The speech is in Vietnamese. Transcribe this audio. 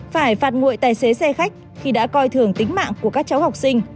phải phạt nguội tài xế xe khách khi đã coi thường tính mạng của các cháu học sinh